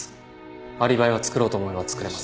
アリバイは作ろうと思えば作れます。